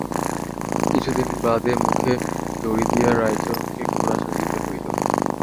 কিছুদিন বাদে মুখে দড়ি দিয়া রাইচরণকে ঘোড়া সাজিতে হইল।